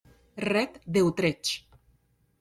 Red de Utrecht